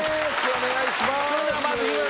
お願いしまーす